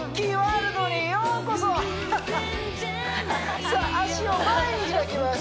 ハハッさあ脚を前に開きます